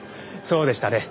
そうでしたね。